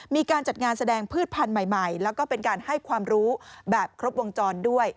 มีการจัดงานแสดงพืชพันธุ์ใหม่แล้วก็เป็นการให้ความรู้แบบครบวงจรด้วย